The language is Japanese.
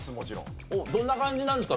どんな感じなんですか？